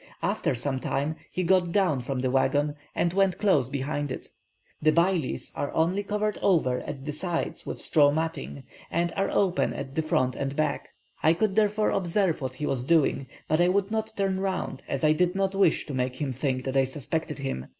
After some time he got down from the waggon, and went close behind it. The bailis are only covered over at the sides with straw matting, and are open at the front and back; I could therefore observe what he was doing, but I would not turn round, as I did not wish to make him think that I suspected him.